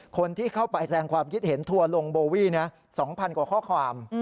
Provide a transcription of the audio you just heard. คนที่เข้าไปแสงความคิดเห็นทัวร์ลงโบวี่๒๐๐กว่าข้อความ